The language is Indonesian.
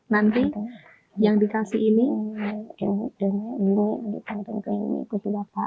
nanti yang dikasih ini mau dukung dukung keku keku bapak